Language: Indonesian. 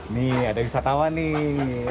nih ada wisatawan nih